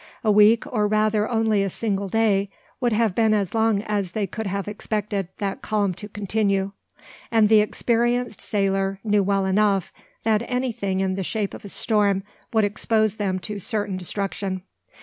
A week, or rather only a single day, would have been as long as they could have expected that calm to continue; and the experienced sailor knew well enough that anything in the shape of a storm would expose them to certain destruction.